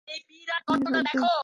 মারি, বাদ দাও।